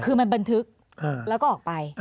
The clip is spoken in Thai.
คือมันบันทึกแล้วก็ออกไป